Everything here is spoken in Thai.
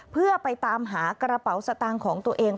เพื่อไปตามหากระเป๋าสตางค์ของตัวเอง